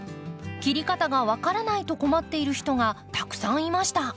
切り方が分からないと困っている人がたくさんいました。